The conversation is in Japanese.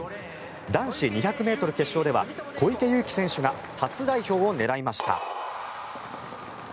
男子２００ｍ決勝では小池祐貴選手が初代表を狙いました。